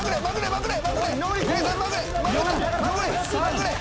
まくれ！